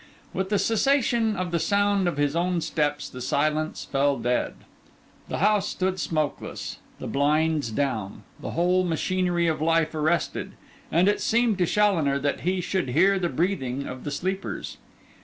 With the cessation of the sound of his own steps the silence fell dead; the house stood smokeless: the blinds down, the whole machinery of life arrested; and it seemed to Challoner that he should hear the breathing of the sleepers.